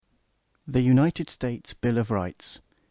The United States Bill of Rights.